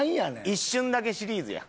一瞬だけシリーズや。